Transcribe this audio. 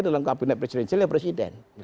dalam kabinet presiden itu adalah presiden